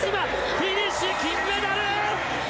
フィニッシュ、金メダル！